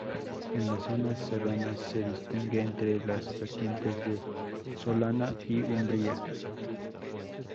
En las zonas serranas se distingue entre las vertientes de solana y umbría.